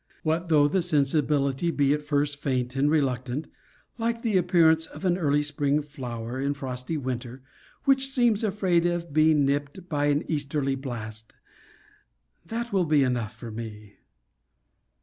What though the sensibility be at first faint and reluctant, like the appearance of an early spring flower in frosty winter, which seems afraid of being nipt by an easterly blast! That will be enough for me.